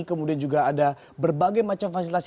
kemudian juga ada berbagai macam fasilitas